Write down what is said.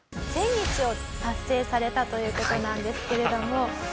１０００日を達成されたという事なんですけれども。